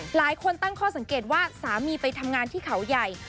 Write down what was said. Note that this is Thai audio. หลายคนตั้งข้อสังเกตว่าสามีไปทำงานที่เขาใหญ่